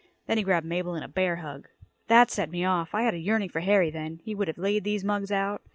Then he grabbed Mabel in a bear hug. That set me off. I had a yearning for Harry, then. He would have laid these mugs out.